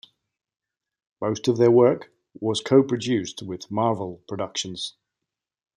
Most of their work was co-produced with Marvel Productions.